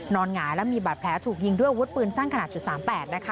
นอนหงายแล้วมีบาดแพ้ถูกยิงด้วยวดปืนสร้างขนาด๓๘นะคะ